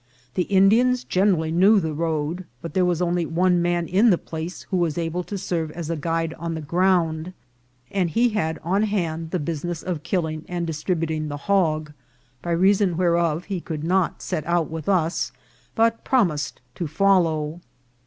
The Indians generally knew the road, but there was only one man in the place who was able to serve as a guide on the ground, and he had on hand the business of killing and distrib uting the hog, by reason whereof he could not set out with us, but promised to follow.